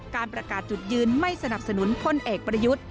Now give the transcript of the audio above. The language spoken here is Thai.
การประกาศจุดยืนไม่สนับสนุนพลเอกประยุทธ์